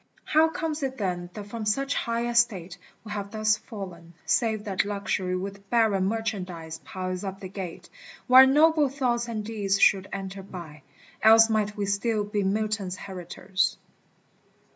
How comes it then that from such high estate We have thus fallen, save that Luxury With barren merchandise piles up the gate Where noble thoughts and deeds should enter by : Else might we still be Milton's heritors.